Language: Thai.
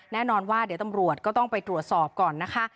แน่นอนว่าเดี๋ยวตำรวจก็ต้องไปตรวจสอบก่อนนะคะ